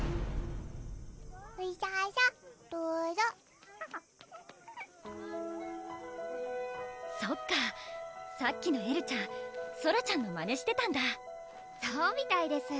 うしゃしゃんどぞそっかさっきのエルちゃんソラちゃんのまねしてたんだそうみたいです